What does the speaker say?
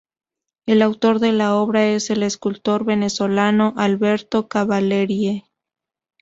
El autor de la obra es el escultor venezolano Alberto Cavalieri.